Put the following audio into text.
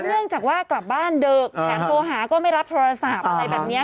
เนื่องจากว่ากลับบ้านดึกแถมโทรหาก็ไม่รับโทรศัพท์อะไรแบบนี้